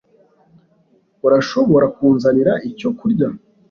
Urashobora kunzanira icyo kurya?